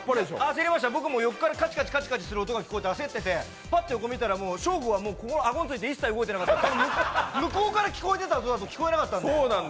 焦りました、僕も横からカチカチカチカチって音がしてパッと横見たら、ショーゴは顎ついて一切動いてなかったので、向こうから聞こえてた音が聞こえなかったので。